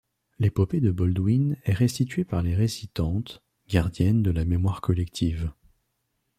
L'épopée des Baldwin est restituée par les récitantes, gardiennes de la mémoire collective.